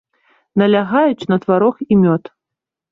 Налягаюць на тварог і мёд.